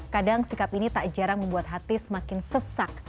kadang sikap ini tak jarang membuat hati semakin sesak